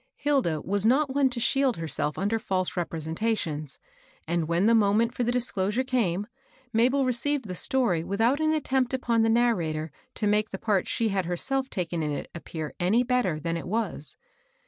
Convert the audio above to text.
Hilda was not one to shield herself under Mae representations, and when the moment for the dis closure came, Mabel received the story without an attempt upon the narrator to make the part she had herself taken in it appear any better than it was.